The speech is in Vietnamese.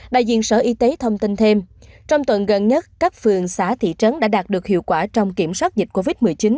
đại diện sở y tế thông tin thêm trong tuần gần nhất các phường xã thị trấn đã đạt được hiệu quả trong kiểm soát dịch covid một mươi chín